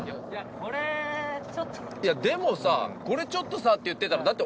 でもさこれちょっとさって言ってたらだって。